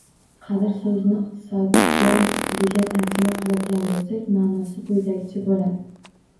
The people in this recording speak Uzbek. “Qadr” so‘zini iqtisodiyot tiliga “tarjima” qiladigan bo‘lsak, maʼnosi quyidagicha bo‘ladi: